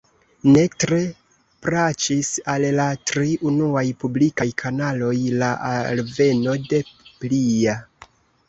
Ne tre plaĉis al la tri unuaj publikaj kanaloj la alveno de plia.